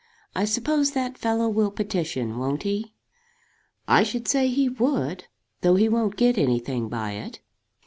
I suppose that fellow will petition; won't he?" "I should say he would; though he won't get anything by it."